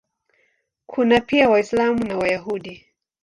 Kuna pia Waislamu na Wayahudi.